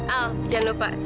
al jangan lupa